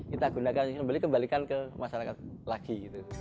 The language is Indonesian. kita gunakan kembali kembalikan ke masyarakat lagi